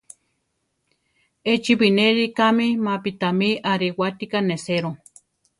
Échi binéli kámi mapi tamí arewátika neséro.